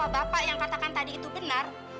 bapak yang katakan tadi itu benar